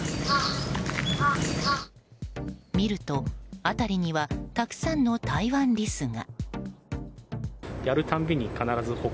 見ると、辺りにはたくさんのタイワンリスが。